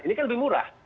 ini kan lebih murah